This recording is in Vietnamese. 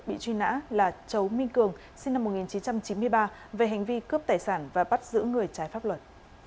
bị truy nã là chấu minh cường sinh năm một nghìn chín trăm chín mươi ba về hành vi cướp tài sản và bắt giữ người trái pháp luật